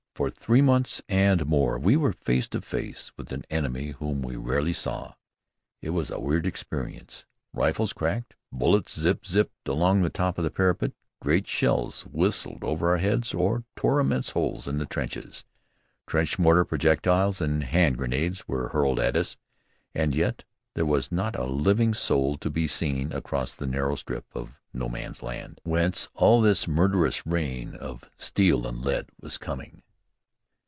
For three months and more we were face to face with an enemy whom we rarely saw. It was a weird experience. Rifles cracked, bullets zip zipped along the top of the parapet, great shells whistled over our heads or tore immense holes in the trenches, trench mortar projectiles and hand grenades were hurled at us, and yet there was not a living soul to be seen across the narrow strip of No Man's Land, whence all this murderous rain of steel and lead was coming.